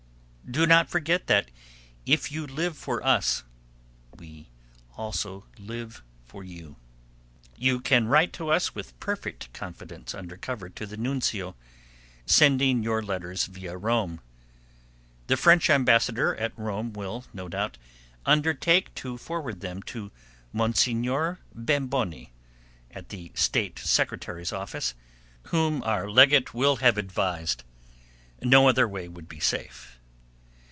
Do not forget that if you live for us, we also live for you. You can write to us with perfect confidence under cover to the Nuncio, sending your letters via Rome. The French ambassador at Rome will, no doubt, undertake to forward them to Monsignore Bemboni, at the State Secretary's office, whom our legate will have advised. No other way would be safe.